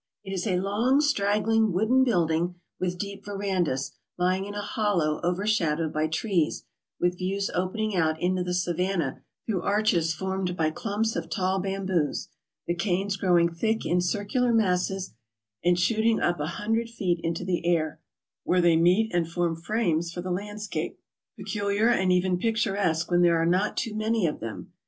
It is a long straggling wooden building with deep verandas lying in a hollow overshadowed by trees, with views open ing out into the savanna through arches formed by clumps of tall bamboos, the canes growing thick in circular masses and shooting up a hundred feet into the air, where they meet and form frames for the landscape, peculiar and even picturesque when there are not too many of them.